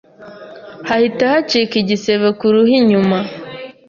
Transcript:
hahita hacika igisebe ku ruhu inyuma